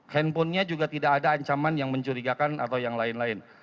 handphonenya juga tidak ada ancaman yang mencurigakan atau yang lain lain